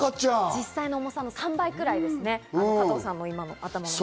実際の重さの３倍ぐらいですね、加藤さんの今の頭の。